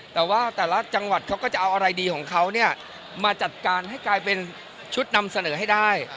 แต่ว่าแต่ละจังหวัดเขาก็จะเอาอะไรดีของเขาเนี่ยมาจัดการให้กลายเป็นชุดนำเสนอให้ได้